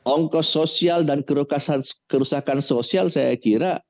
ongkos sosial dan kerusakan sosial saya kira